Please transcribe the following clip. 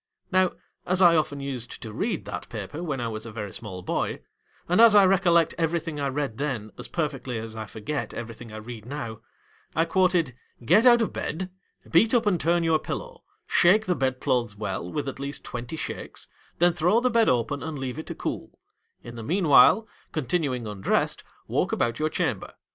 Now, as I often used to read that paper when I was a very small boy, and as I recollect everything I read then, as perfectly as read now, I quoted I forget everything I ;Get out of bed, beat up and turn your pillow, shake the bed clothes well with at least twenty shakes, then throw the bed open and leave it to cool ; in the meanwhile, continuing undrest, walk about your chamber.